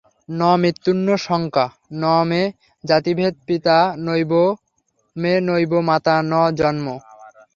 ন মৃত্যুর্ন শঙ্কা ন মে জাতিভেদ পিতা নৈব মে নৈব মাতা ন জন্ম।